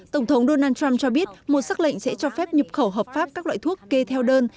tổng thống donald trump cho biết một xác lệnh sẽ cho phép nhập khẩu hợp pháp các loại thuốc kê theo đơn